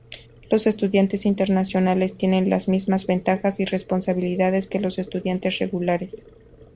Los estudiantes internacionales tienen las mismas ventajas y responsabilidades que los estudiantes regulares.